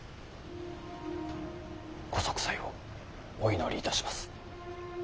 ご息災をお祈りいたします。